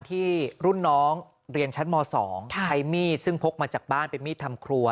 ที่รุ่นน้องเรียนชั้นม๒ใช้มีดซึ่งพกมาจากบ้านเป็นมีดทำครัว